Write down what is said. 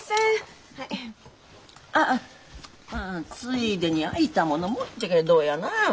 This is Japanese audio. あっついでに空いたもの持っていきゃどうやな！